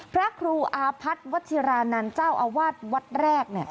พระครูอาพัฒน์วัชิรานันต์เจ้าอาวาสวัดแรก